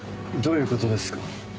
どういうことですか？